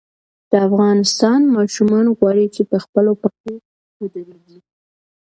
د افغانستان ماشومان غواړي چې په خپلو پښو ودرېږي.